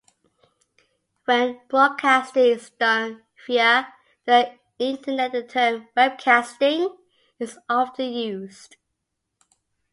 When broadcasting is done via the Internet the term webcasting is often used.